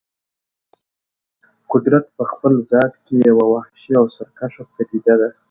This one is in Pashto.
قدرت په خپل ذات کې یوه وحشي او سرکشه پدیده ده.